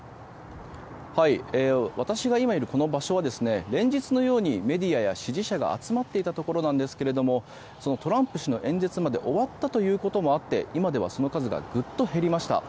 私が今いるこの場所は連日のようにメディアや支持者が集まっていたところなんですけどもそのトランプ氏の演説が終わったということもあって今ではその数がぐっと減りました。